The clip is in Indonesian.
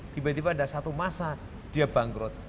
tiba tiba ada satu masa dia bangkrut